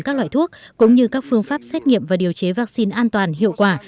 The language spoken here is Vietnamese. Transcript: các loại thuốc cũng như các phương pháp xét nghiệm và điều chế vaccine an toàn hiệu quả